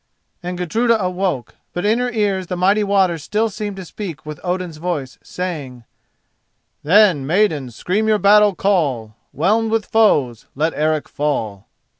And Gudruda awoke, but in her ears the mighty waters still seemed to speak with Odin's voice, saying: "Then, Maidens, scream your battle call; Whelmed with foes, let Eric fall!"